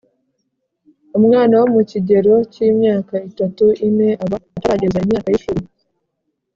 umwana wo mu kigero cy’imyaka itatu -ine, aba atarageza imyaka y’ishuri